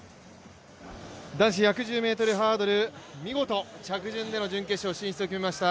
男子１１０ｍハードル見事着順での準決勝進出を果たしました。